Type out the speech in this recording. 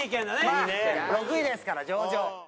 まあ６位ですから上々。